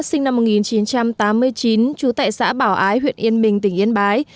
sinh năm một nghìn chín trăm tám mươi chín trú tại xã bảo ái huyện yên bình tỉnh yên bái